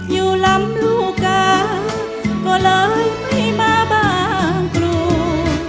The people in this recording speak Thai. อยู่ลำลูกกาก็เลยไม่มาบางกรู